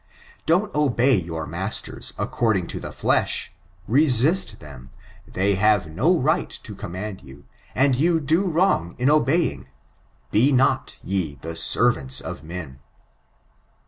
''Don't obey your masters according to the flesh; resist them, they have no right to command you, and you do wrong in obeying; *be not ye the servants of men.'"